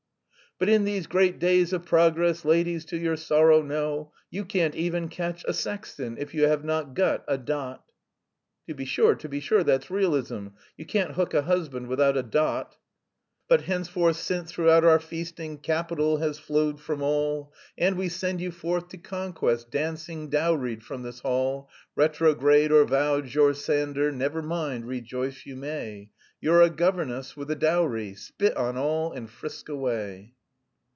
"But in these great days of progress, Ladies, to your sorrow know, You can't even catch a sexton, If you have not got a 'dot'." "To be sure, to be sure, that's realism. You can't hook a husband without a 'dot'!" "But, henceforth, since through our feasting Capital has flowed from all, And we send you forth to conquest Dancing, dowried from this hall Retrograde or vowed George Sander, Never mind, rejoice you may, You're a governess with a dowry, Spit on all and frisk away!"